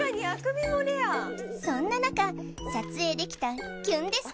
そんな中撮影できたきゅんです